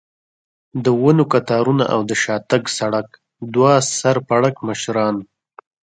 د ونو کتارونه او د شاتګ سړک، دوه سر پړکمشران.